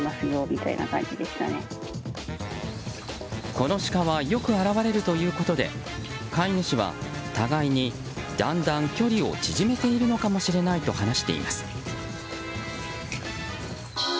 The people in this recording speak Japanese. このシカはよく現れるということで飼い主は、互いにだんだん距離を縮めているのかもしれないと話しています。